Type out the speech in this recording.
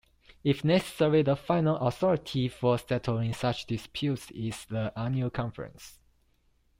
If necessary, the final authority for settling such disputes is the Annual Conference.